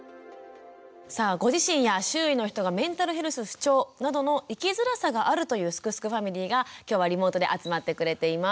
さあご自身や周囲の人がメンタルヘルス不調などの生きづらさがあるというすくすくファミリーが今日はリモートで集まってくれています。